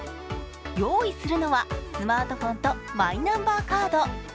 用意するのはスマートフォンとマイナンバーカード。